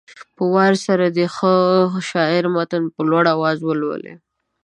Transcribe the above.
په وار سره دې د ښه شاعر متن په لوړ اواز ولولي.